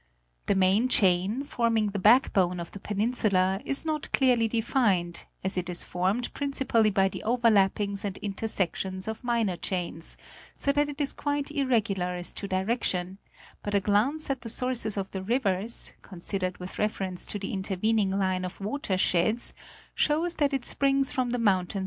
The main chain, forming the back bone of the peninsula, is not clearly defined, as it is formed principally by the overlappings and intersections of minor chains, so that it is quite irregular as to direction, but a glance at the sources of the rivers, considered with reference to the intervening line of water sheds, shows that it springs from the mountains 4 238 National Geographie Magazine.